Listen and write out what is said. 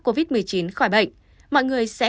covid một mươi chín khỏi bệnh mọi người sẽ